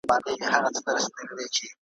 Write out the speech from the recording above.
نور یې کښېښودل په منځ کي کبابونه`